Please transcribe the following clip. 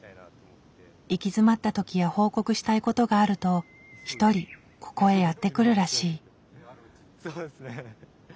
行き詰まった時や報告したいことがあると１人ここへやって来るらしい。